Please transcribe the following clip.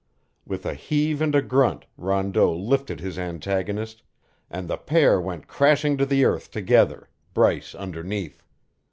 With a heave and a grunt Rondeau lifted his antagonist, and the pair went crashing to the earth together, Bryce underneath.